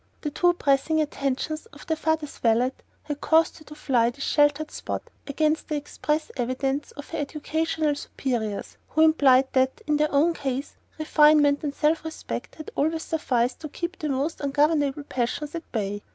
The too pressing attentions of their father's valet had caused her to fly this sheltered spot, against the express advice of her educational superiors, who implied that, in their own case, refinement and self respect had always sufficed to keep the most ungovernable passions at bay.